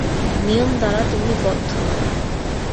নিয়ম দ্বারা তুমি বদ্ধ নও।